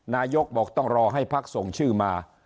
นายกบอกต้องรอให้พักส่งชื่อมา